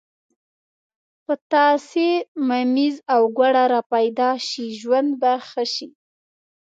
پتاسې، ممیز او ګوړه را پیدا شي ژوند به ښه شي.